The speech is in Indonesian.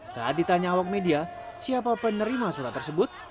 saat ditanya awak media siapa penerima surat tersebut